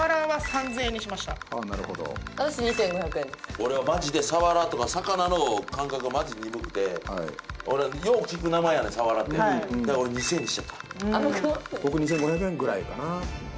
俺はマジでサワラとか魚の感覚がマジ鈍くてよう聞く名前やねんサワラってだから俺２０００円にしちゃった僕２５００円ぐらいかな